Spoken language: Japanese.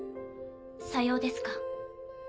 さようですか。